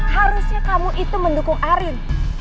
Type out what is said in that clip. harusnya kamu itu mendukung arin